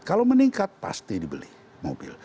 kalau meningkat pasti dibeli mobil